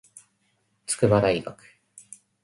筑波大学